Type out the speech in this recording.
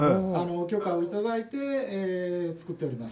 許可を頂いて作っております。